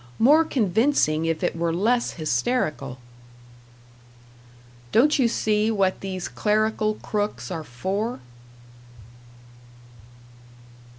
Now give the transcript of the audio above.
More convincing if it were less hysterical. Don't you see what these clerical crooks are for?